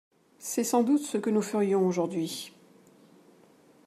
C’est sans doute ce que nous ferions aujourd’hui.